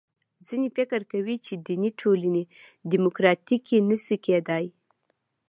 ځینې فکر کوي چې دیني ټولنې دیموکراتیکې نه شي کېدای.